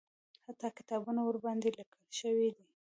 حتی کتابونه ورباندې لیکل شوي دي.